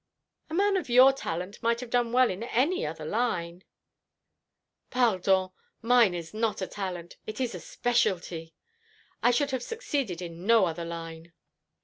"A man of your talent might have done well in any other line " "Pardon; mine is not a talent. It is a specialty. I should have succeeded in no other line.